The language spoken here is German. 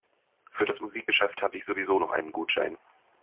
Für das Musikgeschäft habe ich sowieso noch einen Gutschein.